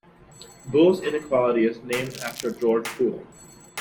Boole's inequality is named after George Boole.